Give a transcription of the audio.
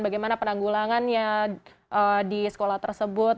bagaimana penanggulangannya di sekolah tersebut